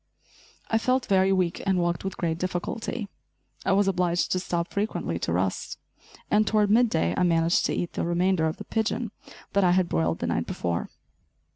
I felt very weak and walked with great difficulty. I was obliged to stop frequently to rest, and toward mid day I managed to eat the remainder of the pigeon that I had broiled the night before.